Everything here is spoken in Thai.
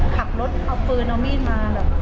ขับรถเอาพื้นเอาหมี้นมา